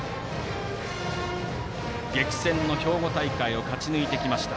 激戦の兵庫大会を勝ち抜いてきました。